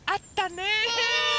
ねえ！